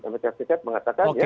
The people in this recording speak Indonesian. amerika serikat mengatakan ya